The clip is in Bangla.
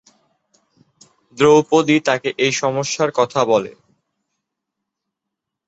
দ্রৌপদী তাকে এই সমস্যার কথা বলে।